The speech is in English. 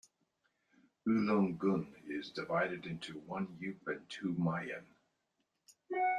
Ulleung-gun is divided into one "eup" and two "myeon".